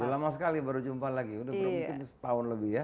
lama sekali baru jumpa lagi udah mungkin setahun lebih ya